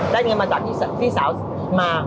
ได้เงินมาจากพี่สาวมา